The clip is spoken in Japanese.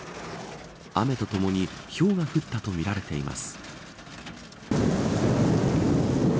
雨とともにひょうが降ったとみられています。